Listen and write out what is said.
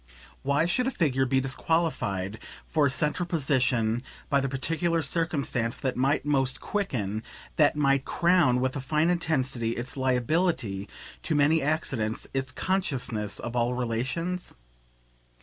Why should a figure be disqualified for a central position by the particular circumstance that might most quicken, that might crown with a fine intensity, its liability to many accidents, its consciousness of all relations?